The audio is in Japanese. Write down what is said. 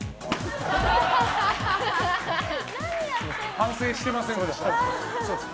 反省してませんでした。